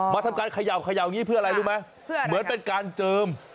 ทำการเขย่าอย่างนี้เพื่ออะไรรู้ไหมเหมือนเป็นการเจิม